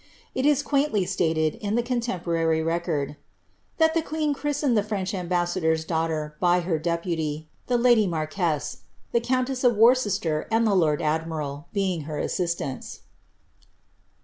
It is quaintly stated, in the contemporary record, ^^ that the queen christened the French am bassador's daughter by her deputy, the lady marquesse, tlie countess of Worcester, and the lord admiral, being her assistants."